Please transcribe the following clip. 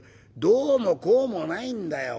「どうもこうもないんだよ。